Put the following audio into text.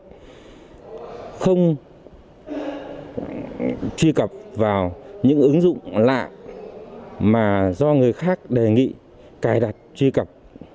thì không truy cập vào những ứng dụng lạ mà do người khác đề nghị cài đặt truy cập